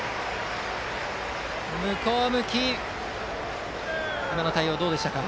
向こう向き今の対応はどうですか。